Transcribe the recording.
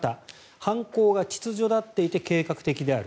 犯行が秩序立っていて計画的である。